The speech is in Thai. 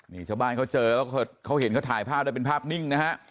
นี่ชาวบ้านเขาเจอเขาเห็นเขาถ่ายภาพได้เป็นภาพนิ่งนะฮะ